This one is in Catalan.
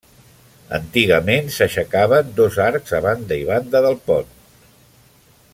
Antigament, s'aixecaven dos arcs a banda i banda del pont.